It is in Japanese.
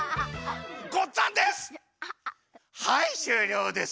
ごっつぁんです。